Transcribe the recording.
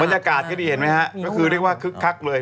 บรรยากาศก็ดีเห็นไหมฮะก็คือเรียกว่าคึกคักเลย